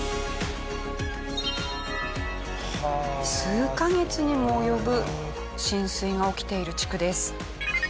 数カ月にも及ぶ浸水が起きている地区です。